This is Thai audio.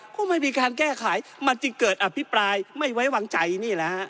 ก็ไม่มีการแก้ไขมันจึงเกิดอภิปรายไม่ไว้วางใจนี่แหละฮะ